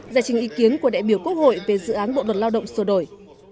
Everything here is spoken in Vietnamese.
giải trình ý kiến của đại biểu quốc hội về dự án bộ luật lao động sửa đổi